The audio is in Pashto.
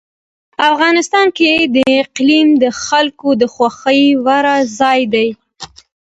افغانستان کې اقلیم د خلکو د خوښې وړ ځای دی.